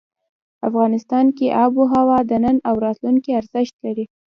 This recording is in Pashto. افغانستان کې آب وهوا د نن او راتلونکي ارزښت لري.